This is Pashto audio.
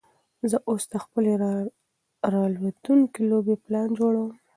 زه اوس د خپلې راتلونکې لوبې پلان جوړوم.